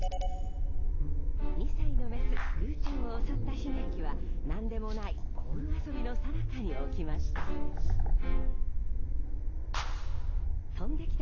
２歳のメスグウちゃんを襲った悲劇は何でもないボール遊びのさなかに起きました。